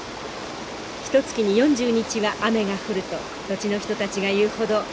ひとつきに４０日は雨が降ると土地の人たちが言うほどよく降ります。